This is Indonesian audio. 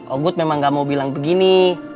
oh gue memang gak mau bilang begini